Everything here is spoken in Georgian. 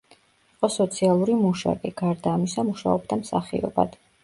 იყო სოციალური მუშაკი, გარდა ამისა მუშაობდა მსახიობად.